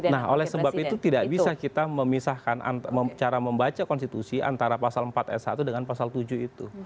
nah oleh sebab itu tidak bisa kita memisahkan cara membaca konstitusi antara pasal empat s satu dengan pasal tujuh itu